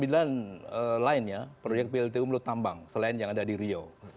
dan lainnya proyek pltu melutambang selain yang ada di rio